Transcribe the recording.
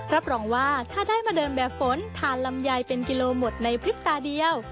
รับรองว่าถ้าได้มาเดินแบบฝนทานลำไยเป็นกิโลหมดในพริบตาเดียว